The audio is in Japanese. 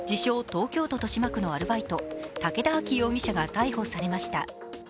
・東京都豊島区のアルバイト武田愛貴容疑者が逮捕されました。